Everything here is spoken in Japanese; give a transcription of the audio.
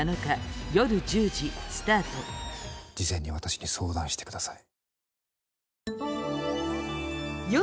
事前に私に相談してください。